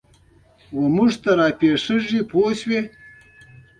چې موږ ته را پېښېږي پوه شوې!.